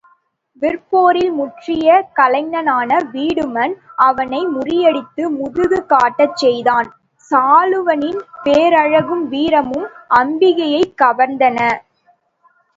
விற்போரில் முற்றிய கலைஞனான வீடுமன் அவனை முறியடித்து முதுகு காட்டச்செய்தான், சாலுவனின் பேரழகும் வீரமும் அம்பிகையைக் கவர்ந்தன.